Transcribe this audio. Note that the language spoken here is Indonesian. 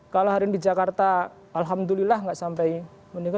kalau hari ini di jakarta alhamdulillah nggak sampai meninggal